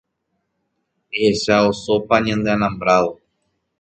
Ehecha osópa ñande alambrado.